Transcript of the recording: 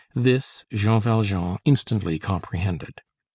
This Jean Valjean instantly comprehended.